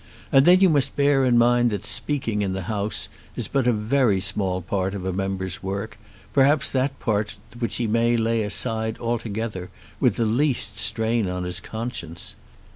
And then you must bear in mind that speaking in the House is but a very small part of a member's work, perhaps that part which he may lay aside altogether with the least strain on his conscience.